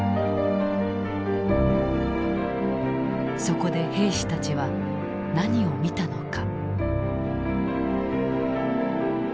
そこで兵士たちは何を見たのか。